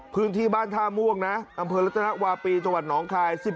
พื้นที่บ้านท่าม่วงนะอำเภอรัตนวาปีจังหวัดหนองคาย